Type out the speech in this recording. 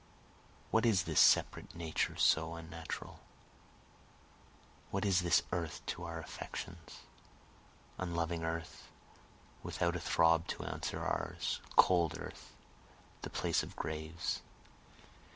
what is this separate Nature so unnatural? What is this earth to our affections? (unloving earth, without a throb to answer ours, Cold earth, the place of graves.)